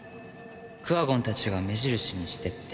クワゴンたちが目印にしてって。